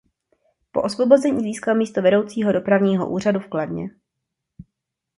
Po osvobození získal místo vedoucího dopravního úřadu v Kladně.